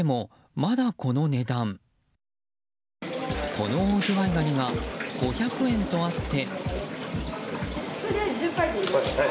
このオオズワイガニが５００円とあって。